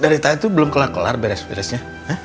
dari tadi tuh belum kelar kelar beres beresnya